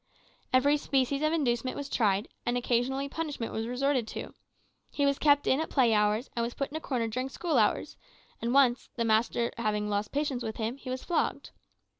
Every species of inducement was tried, and occasionally punishment was resorted to. He was kept in at play hours, and put in a corner during school hours; and once, the master having lost patience with him, he was flogged.